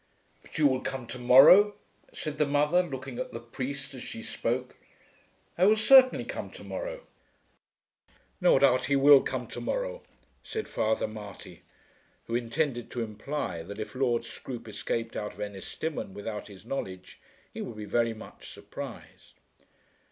"But you will come to morrow?" said the mother, looking at the priest as she spoke. "I will certainly come to morrow." "No doubt he will come to morrow," said Father Marty, who intended to imply that if Lord Scroope escaped out of Ennistimon without his knowledge, he would be very much surprised.